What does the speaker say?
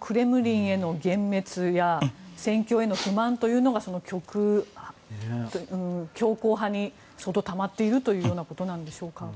クレムリンへの幻滅や戦況への不満というのが強硬派に相当たまっているというようなことなんでしょうか。